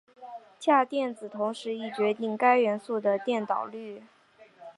价电子同时亦决定该元素的电导率。